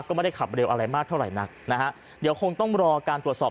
ก็ไม่ได้ขับเร็วอะไรมากเท่าไหร่นักนะฮะเดี๋ยวคงต้องรอการตรวจสอบ